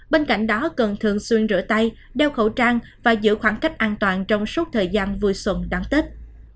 bên cạnh đó cần thường xuyên rửa tay đeo khẩu trang và giữ khoảng cách an toàn trong suốt thời gian vui xuân đón tết